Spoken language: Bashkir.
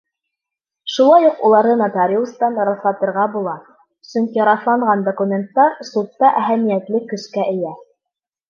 Шулай уҡ уларҙы нотариустан раҫлатырға була, сөнки раҫланған документтар судта әһәмиәтле көскә эйә.